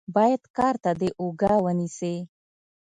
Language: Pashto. بايد کار ته دې اوږه ونيسې.